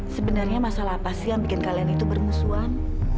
sebenarnya masalah apa sih yang bikin kalian itu bermusuhan